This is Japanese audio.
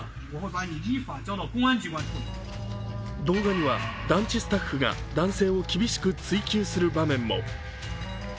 動画には、団地スタッフが男性を厳しく追及する場面も。